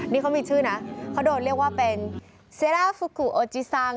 นี่เขามีชื่อนะเขาโดนเรียกว่าเป็นเซร่าฟูกูโอจิซัง